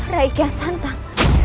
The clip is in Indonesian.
raimu kian santang